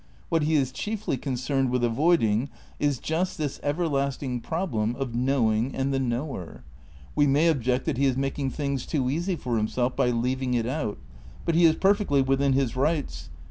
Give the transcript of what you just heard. What he is chiefly concerned with avoiding is just this everlasting problem of knowing and the knower. We may object that he is making things too easy for himself by leaving it out ; but he is perfectly within his rights.